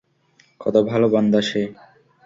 কত ভাল বান্দা সে!